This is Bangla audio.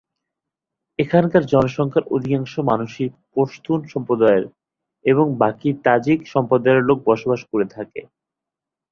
এখানকার জনসংখ্যার অধিকাংশ মানুষই পশতুন সম্প্রদায়ের এবং বাকি তাজিক সম্প্রদায়ের লোক বসবাস করে থাকে।